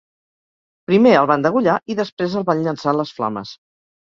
Primer el van degollar i després el van llençar a les flames.